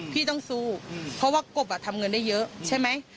พี่ต้องสู้เพราะว่ากบทำเงินได้เยอะใช่ไหม